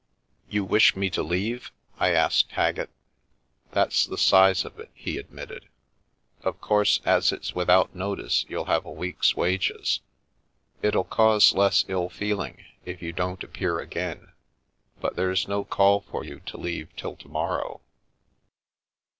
You wish me to leave?" I asked Haggett. That is the size of it," he admitted. " Of course, as it's without notice, you'll have a week's wages. It'll cause less ill feeling if you don't appear again, but there's no call for you to leave till to morrow."